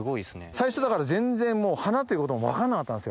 最初全然もう花ということも分かんなかったんですよ。